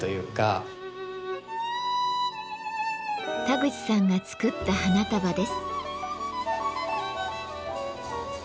田口さんが作った花束です。